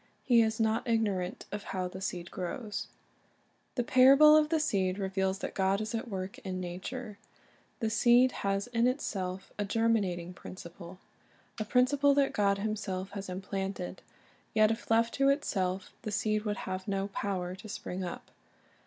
He is not ignorant of how the seed grows. The parable of the seed reveals that God is at work in nature. The seed has in itself a germinating principle, a principle that God Himself has implanted; yet if left to itself the seed would have no power to spring up.